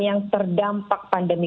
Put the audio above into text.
yang terdampak pandemi